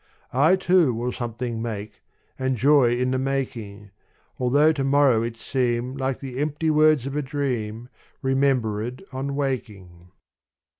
I too will something make And joy in the making; Altho' to morrow it seem Like the empty words of a dream Remembered on waking.